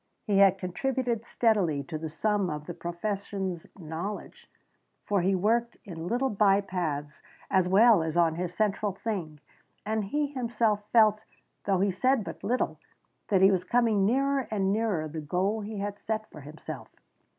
He had contributed steadily to the sum of the profession's knowledge, for he worked in little by paths as well as on his central thing, and he himself felt, though he said but little, that he was coming nearer and nearer the goal he had set for himself.